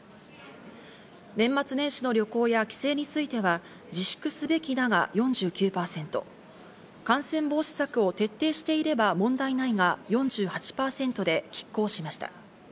年末年始の旅行や帰省については自粛すべきだが４９％、感染防止策を徹底していれば問題ないが４８％で拮抗しました。